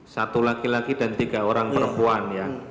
satu laki laki dan tiga orang perempuan ya